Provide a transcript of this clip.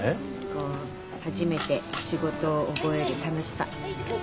こう初めて仕事を覚える楽しさ。